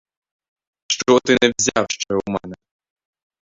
Що ти не взяв ще у мене?